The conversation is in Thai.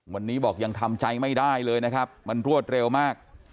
วันนี้บอกยังทำใจไม่ได้เลยนะครับมันรวดเร็วมาก